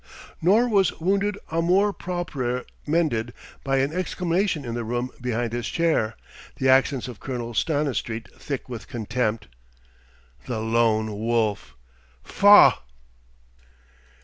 Nor was wounded amour propre mended by an exclamation in the room behind his chair, the accents of Colonel Stanistreet thick with contempt: "The Lone Wolf! Faugh!"